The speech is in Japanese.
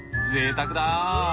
ぜいたくだ。